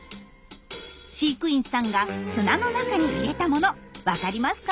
飼育員さんが砂の中に入れたもの分かりますか？